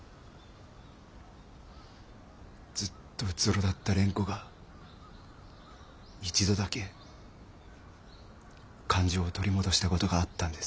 ずっとうつろだった蓮子が一度だけ感情を取り戻した事があったんです。